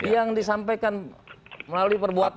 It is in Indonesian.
yang disampaikan melalui perbuatan